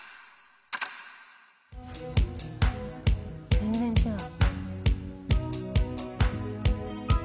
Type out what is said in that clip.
全然違う。